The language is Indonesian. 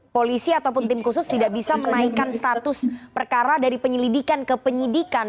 polisi ataupun tim khusus tidak bisa menaikkan status perkara dari penyelidikan ke penyidikan